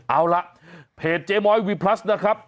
เอาล่ะเพจเจ๊ม้อยวีพลัสนะครับ